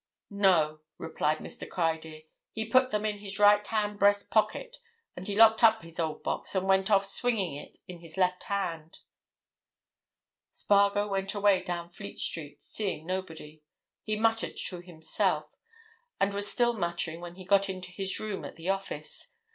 "No," replied Mr. Criedir. "He put them in his right hand breast pocket, and he locked up his old box, and went off swinging it in his left hand." Spargo went away down Fleet Street, seeing nobody. He muttered to himself, and he was still muttering when he got into his room at the office.